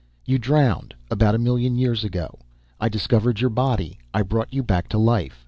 You drowned about a million years ago. I discovered your body. I brought you back to life.